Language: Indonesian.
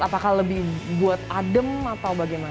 apakah lebih buat adem atau bagaimana